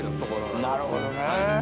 なるほどね。